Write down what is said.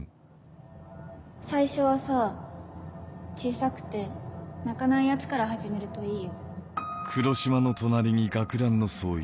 最初はさ小さくて鳴かないやつから始めるといいよ